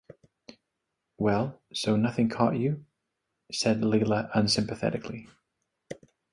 “Well, so nothing caught you?” said Leila unsympathetically.